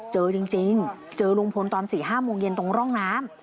เจอจริงเจอลุงพลตอน๔๕โมงเย็นตรงร่องน้ำ